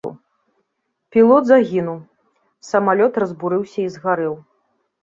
Пілот загінуў, самалёт разбурыўся і згарэў.